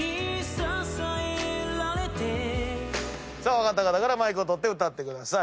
分かった方からマイクを取って歌ってください。